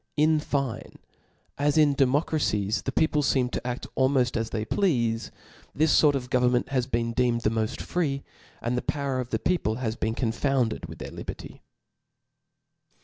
In fine, as in democracies the people feem to aft almoft as they pleale ; this fort of government has been deemed the moft free ; and the power of the peopk ha^ \ieen confounded with their liberty.